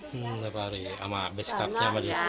hmm safari sama beskapnya sama beskapnya